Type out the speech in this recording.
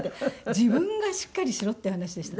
自分がしっかりしろっていう話でしたね。